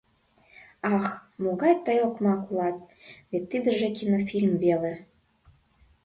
— Ах, могай тый окмак улат, вет тидыже кинофильм веле.